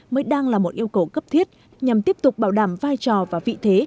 mới đang là một yêu cầu cấp thiết nhằm tiếp tục bảo đảm vai trò và vị thế